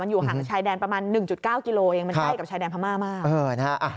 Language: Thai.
มันอยู่หั่งชายแดนประมาณ๑๙กิโลเมตรมันใช้กับชายแดนพม่ามาก